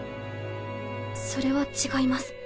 それは違います。